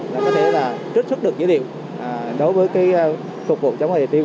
có thể trích xuất được dữ liệu đối với phục vụ chống dịch liên quan đến công tác phòng dịch ở địa phương